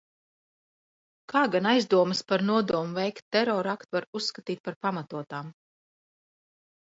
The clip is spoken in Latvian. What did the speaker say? Kā gan aizdomas par nodomu veikt terora aktu var uzskatīt par pamatotām?